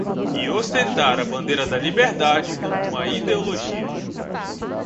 E ostentar a bandeira da liberdade como uma ideologia!